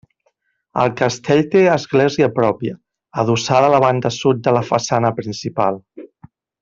El castell té església pròpia, adossada a la banda sud de la façana principal.